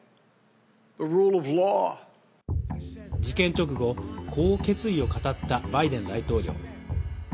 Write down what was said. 事件直後、こう決意を語ったバイデン大統領。